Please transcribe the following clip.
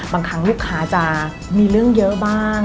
บางครั้งลูกค้าจะมีเรื่องเยอะบ้าง